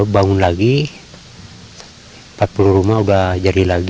bangun lagi empat puluh rumah udah jadi lagi